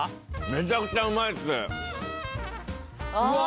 めちゃくちゃうまいっすうわ